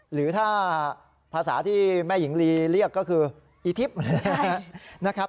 หรือถ้าภาษาที่แม่หญิงลีเรียกก็คืออีทิพย์นะครับ